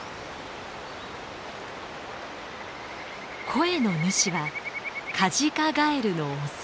声の主はカジカガエルのオス。